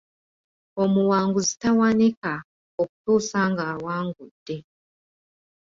Omuwanguzi tawanika, okutuusa ng’awangudde.